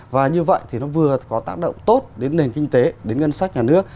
và như vậy thì nó vừa có tác động tốt đến nền kinh tế đến ngân sách nhà nước